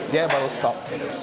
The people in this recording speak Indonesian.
dia baru stop